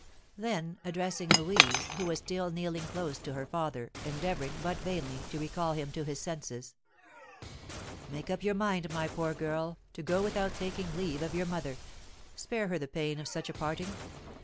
Then, addressing Louise, who was still kneeling close to her father, endeavouring, but vainly, to recall him to his senses: "Make up your mind, my poor girl, to go without taking leave of your mother, spare her the pain of such a parting.